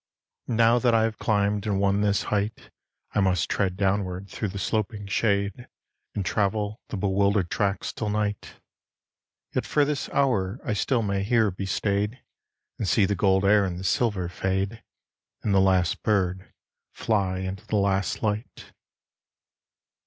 And now that I have climbed and won this height, I must tread downward through the sloping shade And travel the bewildered tracks till night. Yet for this hour I still may here be stayed And see the gold air and the silver fade And the last bird fly into the last light.